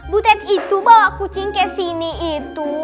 butet itu bawa kucing kesini itu